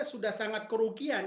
tidak sangat kerugian